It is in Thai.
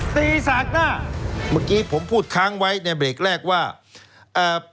สากหน้าเมื่อกี้ผมพูดค้างไว้ในเบรกแรกว่าเอ่อ